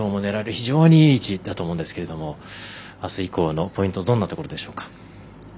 非常にいい位置だと思うんですがあす以降のポイントどんなところでしょうか。